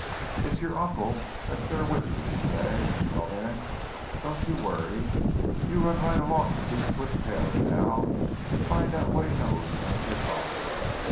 It's your uncle that's there with you, you say? Well, then, don't you worry. You run right along to see Squint Taylor, now, an' find out what he knows about your father.